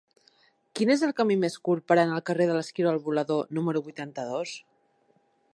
Quin és el camí més curt per anar al carrer de l'Esquirol Volador número vuitanta-dos?